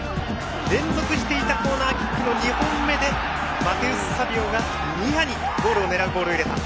連続していたコーナーキックの２本目でマテウス・サヴィオがニアにゴールを狙うボールを入れた。